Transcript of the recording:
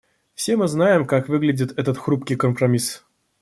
Все мы знаем, как выглядит этот хрупкий компромисс.